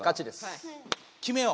決めよう！